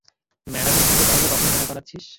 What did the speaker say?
ম্যাডামের সঙ্গে তাহলে কখন দেখা করাচ্ছিস?